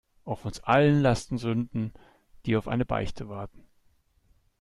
Auf uns allen lasten Sünden, die auf eine Beichte warten.